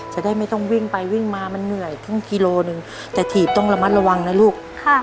จะได้ไม่ต้องวิ่งไปวิ่งมามันเหนื่อยครึ่งกิโลหนึ่งแต่ถีบต้องระมัดระวังนะลูก